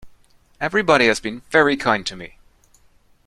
Everybody has been very kind to me.